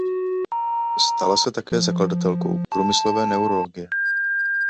Stala se také zakladatelkou průmyslové neurologie.